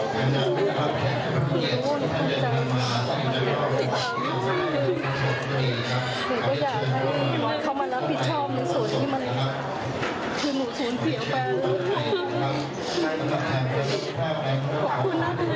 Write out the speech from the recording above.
หนูก็อยากให้เขามารับผิดชอบในส่วนที่มันคือหนูสูญเสียไป